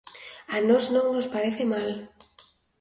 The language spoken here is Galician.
A nós non nos parece mal.